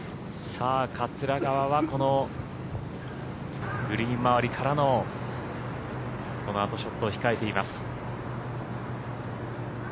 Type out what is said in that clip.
桂川はこのグリーン周りからのこのあとショットを控えています。